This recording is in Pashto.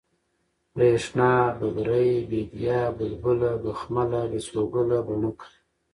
برېښنا ، ببرۍ ، بېديا ، بلبله ، بخمله ، بسوگله ، بڼکه